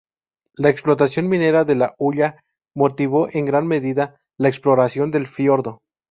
La explotación minera de la hulla, motivó en gran medida la exploración del fiordo.